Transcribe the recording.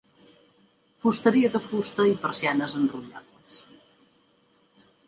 Fusteria de fusta i persianes enrotllables.